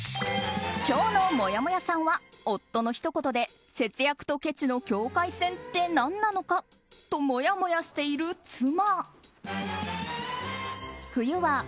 今日のもやもやさんは夫のひと言で節約とけちの境界線って何なのかと、もやもやしている妻。